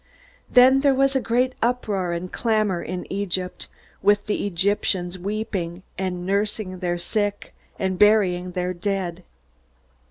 Then there was a great uproar and clamor in Egypt, with the Egyptians weeping, and nursing their sick, and burying their dead.